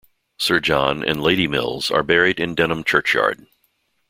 Sir John and Lady Mills are buried in Denham Churchyard.